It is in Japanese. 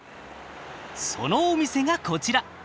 そのお店がこちら。